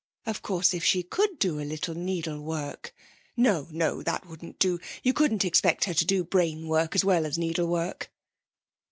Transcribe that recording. Of course, if she could do a little needlework No, no, that wouldn't do. You couldn't expect her to do brainwork as well as needlework.'